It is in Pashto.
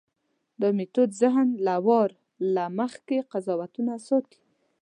دا میتود ذهن له وار له مخکې قضاوتونو ساتي.